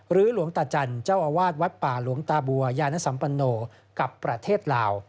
หลวงตาจันทร์เจ้าอาวาสวัดป่าหลวงตาบัวยานสัมปโนกับประเทศลาว